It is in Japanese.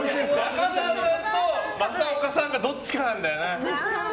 中沢さんと正岡さんどっちかなんだよな。